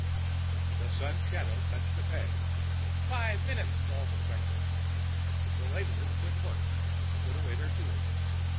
The sun's shadow touched a peg. "Five minute!" bawled the Quxa. The laborers quit work, put away their tools.